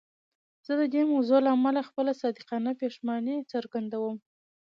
زه د دې موضوع له امله خپله صادقانه پښیماني څرګندوم.